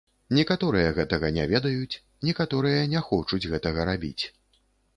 Некаторыя гэтага не ведаюць, некаторыя не хочуць гэтага рабіць.